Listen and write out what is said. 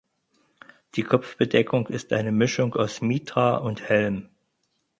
Die Kopfbedeckung ist eine Mischung aus Mitra und Helm.